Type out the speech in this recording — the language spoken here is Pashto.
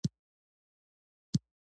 آیا د پښتنو په تاریخ کې لویې جرګې نه دي شوي؟